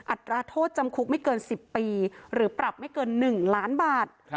อัตราโทษจำคุกไม่เกิน๑๐ปีหรือปรับไม่เกิน๑ล้านบาท